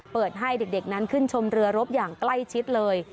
เปิดให้เด็กนั้นขึ้นชมเรือรบอย่างใกล้ชิดเลย